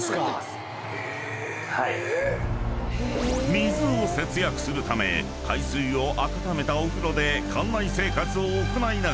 ［水を節約するため海水を温めたお風呂で艦内生活を行いながら］